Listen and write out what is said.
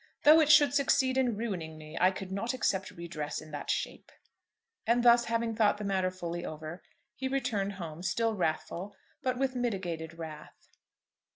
Though it should succeed in ruining me, I could not accept redress in that shape." And thus having thought the matter fully over, he returned home, still wrathful, but with mitigated wrath.